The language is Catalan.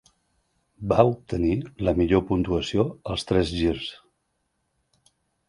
Va obtenir la millor puntuació als tres girs.